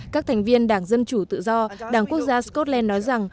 các thành viên đảng dân chủ tự do đảng quốc gia scotland nói rằng